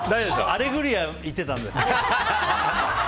「アレグリア」行ってたので。